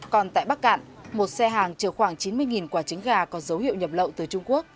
còn tại bắc cạn một xe hàng chờ khoảng chín mươi quả trứng gà có dấu hiệu nhập lậu từ trung quốc